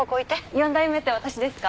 ４代目って私ですか？